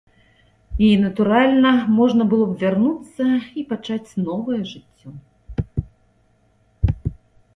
І, натуральна, можна было б вярнуцца і пачаць новае жыццё.